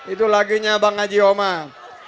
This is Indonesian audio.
itu laginya bang haji omah